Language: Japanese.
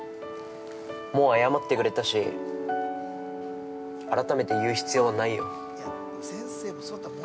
◆もう謝ってくれたし、改めて言う必要はないよ。